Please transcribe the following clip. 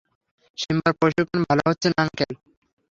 সিম্বার প্রশিক্ষণ ভালো হচ্ছে না, আঙ্কেল।